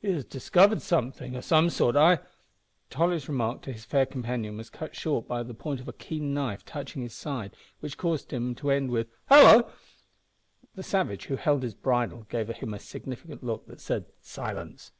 "He has discovered something o' some sort, I " Tolly's remark to his fair companion was cut short by the point of a keen knife touching his side, which caused him to end with "hallo!" The savage who held his bridle gave him a significant look that said, "Silence!"